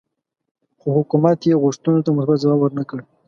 خو هغه حکومت یې غوښتنو ته مثبت ځواب ورنه کړ.